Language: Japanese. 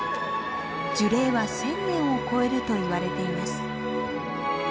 樹齢は千年を超えるといわれています。